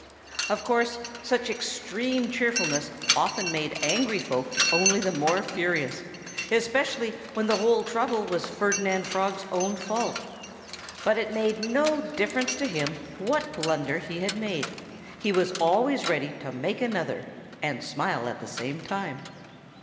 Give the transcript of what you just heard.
Of course, such extreme cheerfulness often made angry folk only the more furious, especially when the whole trouble was Ferdinand Frog's own fault. But it made no difference to him what blunder he had made. He was always ready to make another and smile at the same time.